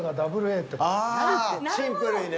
シンプルにね。